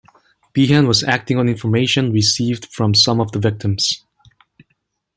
Behan was acting on information received from some of the victims.